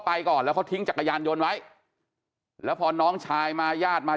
ก่อนแล้วเขาทิ้งจักรยานยนต์ไว้แล้วพอน้องชายมาญาติมา